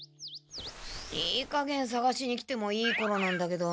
いいかげんさがしに来てもいいころなんだけど。